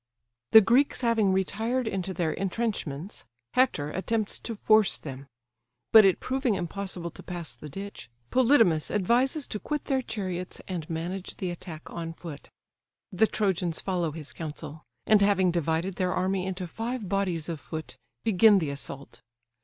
The Greeks having retired into their intrenchments, Hector attempts to force them; but it proving impossible to pass the ditch, Polydamas advises to quit their chariots, and manage the attack on foot. The Trojans follow his counsel; and having divided their army into five bodies of foot, begin the assault.